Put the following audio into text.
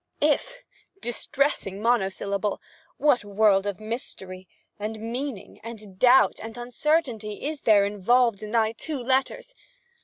If! Distressing monosyllable! what world of mystery, and meaning, and doubt, and uncertainty is there involved in thy two letters!